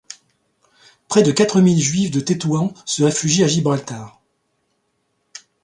Près de quatre mille juifs de Tétouan se réfugient à Gibraltar.